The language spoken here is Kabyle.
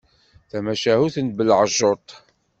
Tamacahut n belɛejjuṭ.